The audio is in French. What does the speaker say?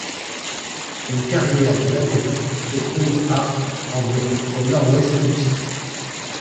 Une carrière de latérite se trouve à environ au nord-ouest du site.